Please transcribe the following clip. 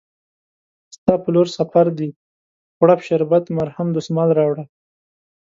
ستا په لورسفردي، غوړپ شربت، مرهم، دسمال راوړه